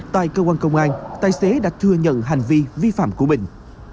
tại cơ quan công an tài xế đã thừa nhận hành vi vi phạm của mình